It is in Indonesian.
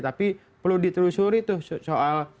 tapi perlu ditelusuri tuh soal